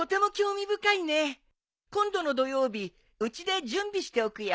今度の土曜日うちで準備しておくよ。